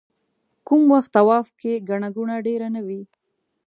کوم وخت طواف کې ګڼه ګوڼه ډېره نه وي.